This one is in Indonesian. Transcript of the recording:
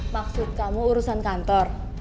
maksud kamu urusan kantor